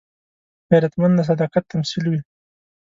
غیرتمند د صداقت تمثیل وي